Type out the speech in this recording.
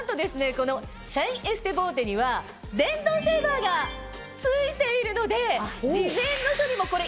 このシャインエステボーテには電動シェーバーが付いているので。